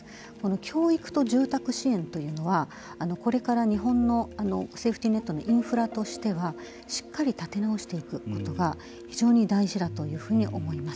教育と住宅支援というのはこれから日本のセーフティーネットのインフラとしてはしっかり立て直していくことが非常に大事だというふうに思います。